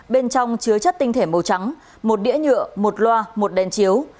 bên trong chứa chất tinh thể màu trắng một đĩa nhựa một loa một đèn chiếu